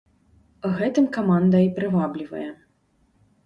Гэтым каманда і прываблівае.